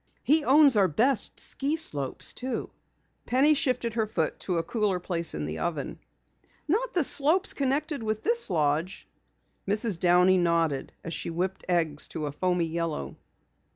He owns our best ski slopes, too." Penny shifted her foot to a cooler place in the oven. "Not the slopes connected with this lodge?" Mrs. Downey nodded as she whipped eggs to a foamy yellow.